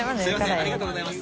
ありがとうございます。